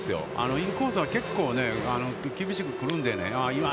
インコースは結構厳しく来るのでね。